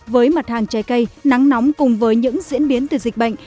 với mặt hàng trái cây nắng nóng cùng với những diễn biến từ dịch bệnh